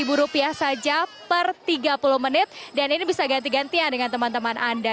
ini bisa dikonsumsi dengan harga tiga puluh menit dan ini bisa ganti gantian dengan teman teman anda